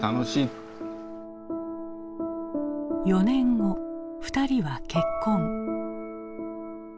４年後２人は結婚。